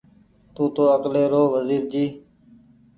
تونٚ تو اڪلي رو وزير جي